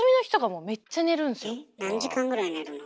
何時間ぐらい寝るの？